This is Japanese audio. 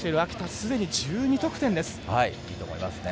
すでに１２得点です。